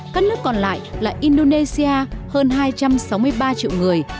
các nước còn lại là indonesia hơn hai trăm sáu mươi ba triệu người